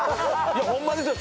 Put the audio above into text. ホンマですよ